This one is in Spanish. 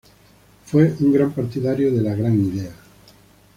Fue un gran partidario de la "Gran Idea".